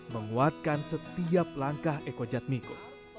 menguatkan setiap langkah eko jatmiko